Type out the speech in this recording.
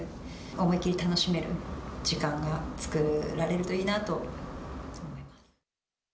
思いきり楽しめる時間が作られるといいなと思います。